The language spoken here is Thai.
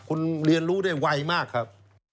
คุณเรียนรู้ได้ไวมากครับ